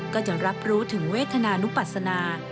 ก็จะรับรู้ถึงเวทนานุปัศนา